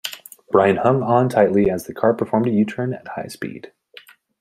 Brian hung on tightly as the car performed a U-turn at high speed.